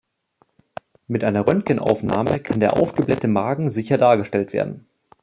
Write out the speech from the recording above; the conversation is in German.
Mit einer Röntgenaufnahme kann der aufgeblähte Magen sicher dargestellt werden.